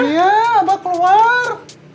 iya abah keluar